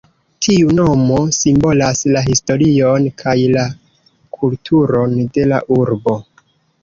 Tiu nomo simbolas la historion kaj la kulturon de la urbo.